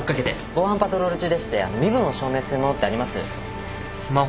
防犯パトロール中でして身分を証明するものってあります？